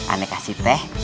aneh kasih teh